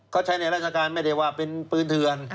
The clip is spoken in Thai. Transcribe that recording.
เขาใช้ในราชการไม่ได้ว่าเป็นปืนเถื่อน